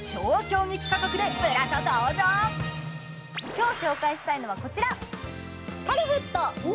今日紹介したいのはこちら、カルフット。